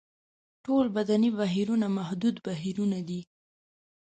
ټول بدني بهیرونه محدود بهیرونه دي.